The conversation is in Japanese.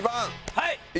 はい。